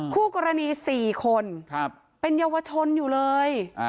คู่กรณี๔คนเป็นเยาวชนอยู่เลย